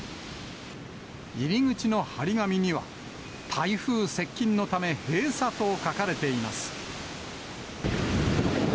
入り口の貼り紙には、台風接近のため、閉鎖と書かれています。